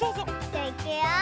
じゃあいくよ！